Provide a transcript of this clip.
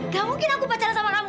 gak mungkin aku pacar sama kamu